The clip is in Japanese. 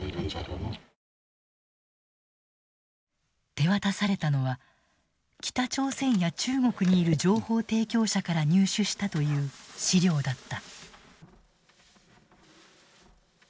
手渡されたのは北朝鮮や中国にいる情報提供者から入手したという資料だった。